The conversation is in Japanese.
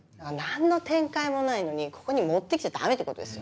何の展開もないのにここに持って来ちゃダメってことですよ。